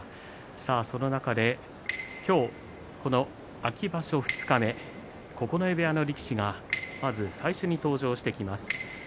その中で今日秋場所二日目九重部屋の力士がまず最初に登場してきます。